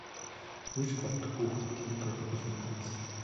Юу ч боддоггүй хүүхэд тэнэг байдаг гэж үнэн биз!